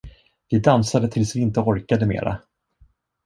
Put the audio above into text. Vi dansade tills vi inte orkade mera.